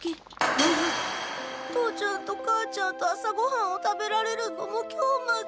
父ちゃんと母ちゃんと朝ごはんを食べられるのも今日まで。